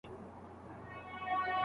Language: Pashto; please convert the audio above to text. تېر وخت د زده کړې لپاره دی.